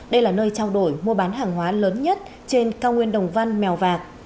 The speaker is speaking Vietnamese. đây là nơi trao đổi mua bán hàng hóa lớn nhất trên cao nguyên đồng văn mèo vạc